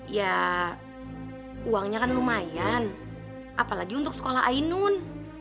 ya uangnya kan lumayan apalagi untuk sekolah ainun